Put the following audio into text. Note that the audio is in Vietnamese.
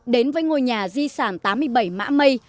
đến với ngôi nhà di sản tám mươi bảy mã mây